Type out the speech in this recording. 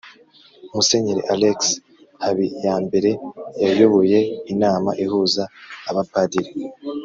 musenyeri alexis habiyambere yayoboye inama ihuza abapadiri